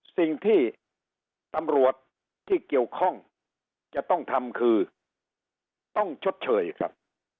สิ่งที่ตำรวจที่เกี่ยวข้องจะต้องทำคือต้องชดเชยครับ